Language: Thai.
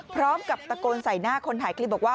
พร้อมกับตะโกนใส่หน้าคนถ่ายคลิปบอกว่า